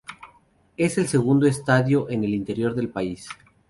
Es el segundo estadio en el interior del país.